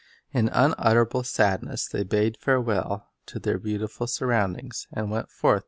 In unutterable sadness they bade fare well to their beautiful surroundings, and went forth to lGen.3:6.